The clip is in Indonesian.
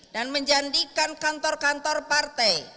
dan menjandikan kantor kantor partai